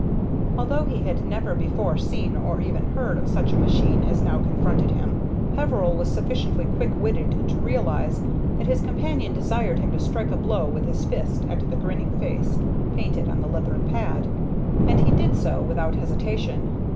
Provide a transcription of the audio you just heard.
Although he had never before seen or even heard of such a machine as now confronted him, Peveril was sufficiently quick witted to realize that his companion desired him to strike a blow with his fist at the grinning face painted on the leathern pad, and he did so without hesitation.